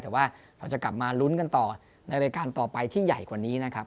แต่ว่าเราจะกลับมาลุ้นกันต่อในรายการต่อไปที่ใหญ่กว่านี้นะครับ